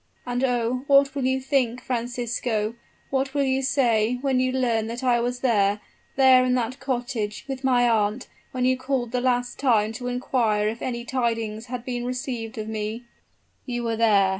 "And oh! what will you think, Francisco what will you say, when you learn that I was there there in that cottage with my aunt when you called the last time to inquire if any tidings had been received of me " "You were there!"